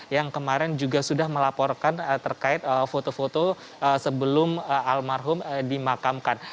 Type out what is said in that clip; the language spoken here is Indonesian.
yang kemarin juga sudah melaporkan terkait foto foto sebelum almarhum dimakamkan